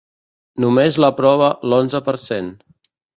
Només l’aprova l’onze per cent.